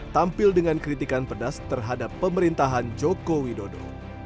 tampil dengan kritikan pedas terhadap pemerintahan joko widodo